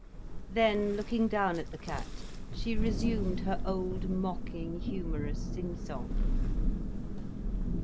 Then, looking down at the cat, she resumed her old, mocking, humorous sing song.